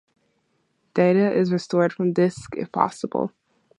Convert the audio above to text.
Data is restored from disk "if possible".